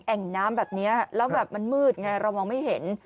่งน้ำแบบนี้แล้วแบบมันมืดไงเรามองไม่เห็น